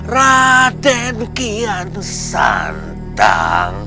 raden kian santang